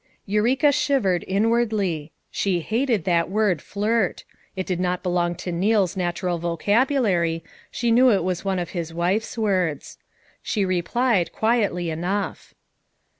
Eureka shivered inwardly. She hated that word "flirt"; it did not belong to Neal's nat ural vocabulary, she knew it was one of his wife's words. She replied quietly enough.